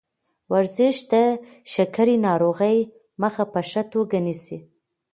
ورزش د شکرې ناروغۍ مخه په ښه توګه نیسي.